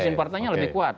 mesin partainya lebih kuat